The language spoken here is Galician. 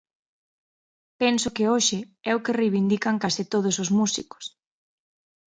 Penso que hoxe é o que reivindican case todos os músicos.